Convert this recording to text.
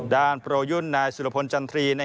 ด้านโปรยุ่นนายสุรพนธ์จันทรีย์